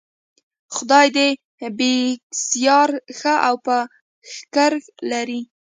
خدای دې بېکسیار ښه او په ښېګړه لري.